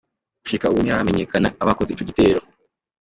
Gushika ubu ntiharamenyekana abakoze ico gitero.